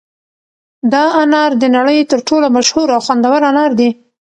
دا انار د نړۍ تر ټولو مشهور او خوندور انار دي.